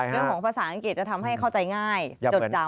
เรื่องของภาษาอังกฤษจะทำให้เข้าใจง่ายจดจำ